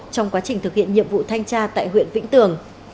trong quá trình thực hiện nhiệm vụ thanh tra tại huyện vĩnh tường